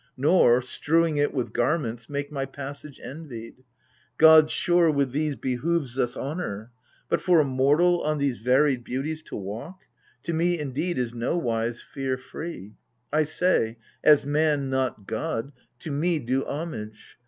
Nor, strewing it with garments, make my passage Envied ! Gods, sure, with these behoves us honor But, for a mortal on these varied beauties To walk — to me, indeed, is nowise fear free. I say — as man, not god, to me do homage